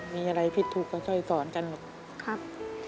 มีอะไรผิดทุกข์ก็ค่อยสอนกันลูกครับ